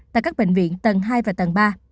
tại các bệnh viện tầng hai và tầng ba